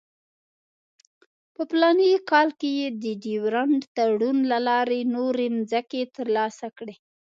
په فلاني کال کې یې د ډیورنډ تړون له لارې نورې مځکې ترلاسه کړې.